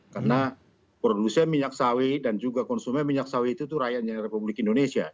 karena produsen minyak sawi dan konsumen minyak sawi itu rakyatnya republik indonesia